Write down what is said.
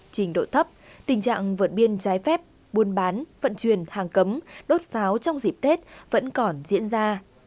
trình độ thấp tình trạng vượt biên trái phép buôn bán vận chuyển hàng cấm đốt pháo trong dịp tết vẫn còn diễn ra